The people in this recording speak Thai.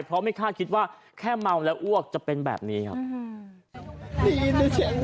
เพราะไม่คาดคิดว่าแค่เมาแล้วอ้วกจะเป็นแบบนี้ครับ